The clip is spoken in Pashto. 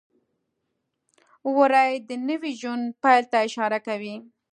وری د نوي ژوند پیل ته اشاره کوي.